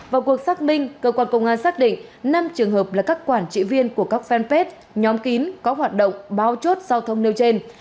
vào cuộc xác minh cơ quan công an xác định năm trường hợp là các quản trị viên của các fanpage nhóm kín có hoạt động báo chốt giao thông nêu trên